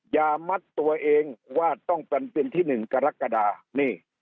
อย่ามัดตัวเองว่าต้องเป็นวันที่๑กรกฎานี่